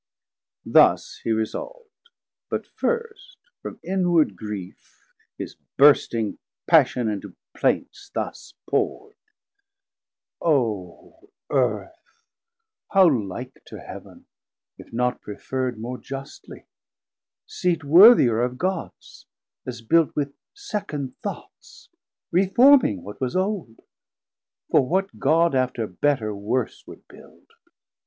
Thus he resolv'd, but first from inward griefe His bursting passion into plaints thus pour'd: O Earth, how like to Heav'n, if not preferrd More justly, Seat worthier of Gods, as built 100 With second thoughts, reforming what was old! For what God after better worse would build?